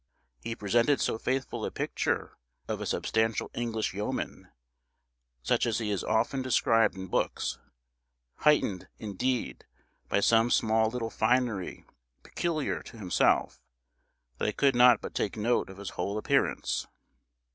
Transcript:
He presented so faithful a picture of a substantial English yeoman, such as he is often described in books, heightened, indeed, by some little finery peculiar to himself, that I could not but take note of his whole appearance.